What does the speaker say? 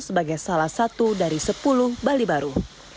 sebagai salah satu dari sepuluh bali baru